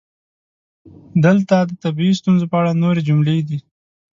دلته د طبیعي ستونزو په اړه نورې جملې دي: